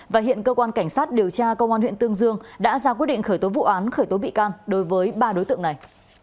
và hiện cơ quan cảnh sát điều tra công an huyện tương dương đã ra quyết định khởi tố vụ án khởi tố bị can đối với ba đối tượng này